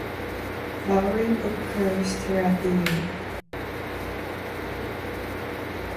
Flowering occurs throughout the year.